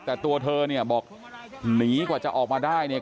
แต่ตัวเธอเนี่ยบอกหนีกว่าจะออกมาได้เนี่ย